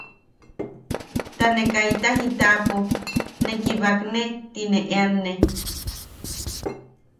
Ta ne kaita jitapo ¿ne kibakne? ti ne eeanne.